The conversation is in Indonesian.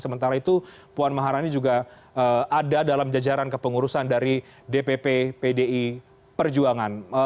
sementara itu puan maharani juga ada dalam jajaran kepengurusan dari dpp pdi perjuangan